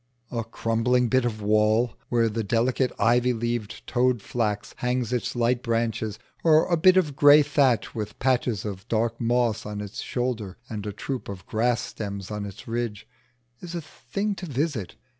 A crumbling bit of wall where the delicate ivy leaved toad flax hangs its light branches, or a bit of grey thatch with patches of dark moss on its shoulder and a troop of grass stems on its ridge, is a thing to visit.